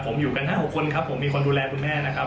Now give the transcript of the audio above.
ผมอยู่กัน๕๖คนครับผมมีคนดูแลคุณแม่นะครับ